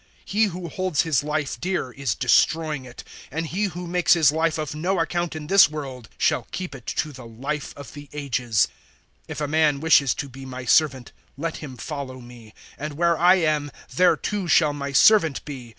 012:025 He who holds his life dear, is destroying it; and he who makes his life of no account in this world shall keep it to the Life of the Ages. 012:026 If a man wishes to be my servant, let him follow me; and where I am, there too shall my servant be.